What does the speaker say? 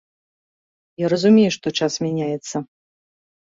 Я разумею, што час мяняецца.